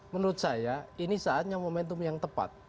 menurut saya ini saatnya momentum yang tepat